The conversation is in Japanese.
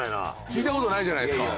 聞いた事ないじゃないですか。